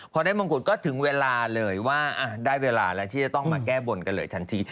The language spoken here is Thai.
พอได้มงกุฎก็ถึงเวลาเลยว่าได้เวลาแล้วที่จะต้องมาแก้บนกันเลยทันที